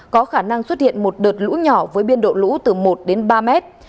có khả năng xuất hiện một đợt lũ nhỏ với biên độ lũ từ một đến ba mét